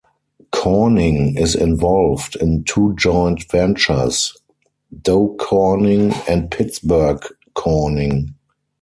Corning is involved in two joint ventures: Dow Corning and Pittsburgh Corning.